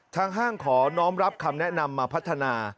ห้างขอน้องรับคำแนะนำมาพัฒนา